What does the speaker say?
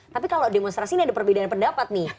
tapi kalau demonstrasi ini ada perbedaan pendapat nih